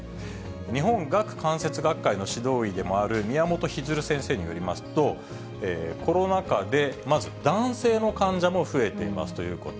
日本顎関節学会の指導医でもある宮本日出先生によりますと、コロナ禍でまず男性の患者も増えていますということ。